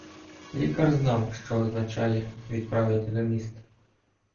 Лікар знав, що означає "відправити до міста".